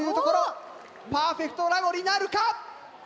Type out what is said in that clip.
パーフェクトラゴリなるか？